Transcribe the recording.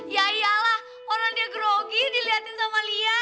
yaiyalah orang dia grogi diliatin sama lia